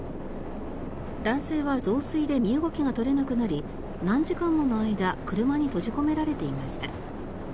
男性は増水で身動きが取れなくなり何時間もの間車に閉じ込められていました。